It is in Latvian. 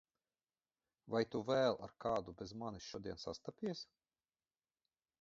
Vai tu vēl ar kādu bez manis šodien sastapies?